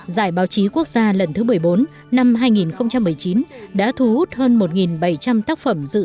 giải báo chí quốc gia lần thứ một mươi bốn năm hai nghìn một mươi chín đã thu hút hơn một bảy trăm linh tác phẩm dự